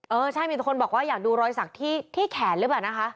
เออใช่มีแต่คนบอกว่าอยากดูรอยสักที่แขนหรือเปล่านะคะ